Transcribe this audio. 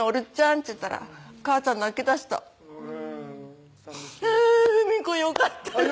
っちゅったら母ちゃん泣きだした「あぁ二三子よかったなぁ」